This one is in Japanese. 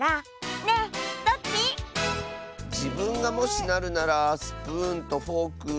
じぶんがもしなるならスプーンとフォーク。